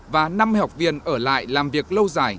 và năm học viên ở lại làm việc lâu dài